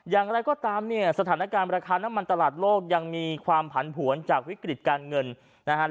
อย่างไรก็ตามเนี่ยสถานการณ์ราคาน้ำมันตลาดโลกยังมีความผันผวนจากวิกฤติการเงินนะฮะ